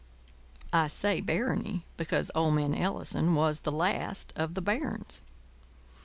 I say barony because old man Ellison was the Last of the Barons.